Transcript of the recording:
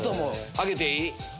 上げていい？